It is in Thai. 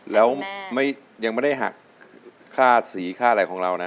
แล้วยังไม่ได้หักค่าสีค่าอะไรของเรานะ